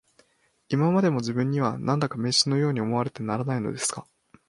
いまでも自分には、何だか迷信のように思われてならないのですが